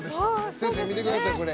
先生見てくださいこれ。